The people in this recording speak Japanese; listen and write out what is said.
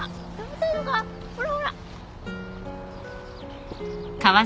ほらほら。